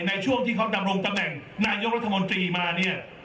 ในช่วงที่เขาดำรงตำแหน่งนายกรัฐมนตรีมาเนี่ย